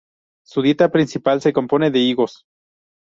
Su dieta principal se compone de higos.